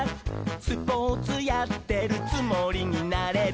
「スポーツやってるつもりになれる」